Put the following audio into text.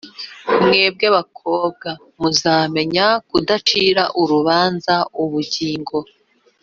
mwebwe bakobwa muzamenya kudacira urubanza ubugingo